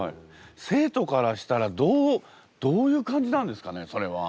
生徒からしたらどうどういう感じなんですかねそれは。